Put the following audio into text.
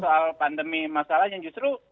soal pandemi masalahnya justru